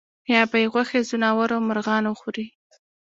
یا به یې غوښې ځناورو او مرغانو وخوړې.